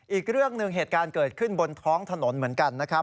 อีกเรื่องหนึ่งเหตุการณ์เกิดขึ้นบนท้องถนนเหมือนกันนะครับ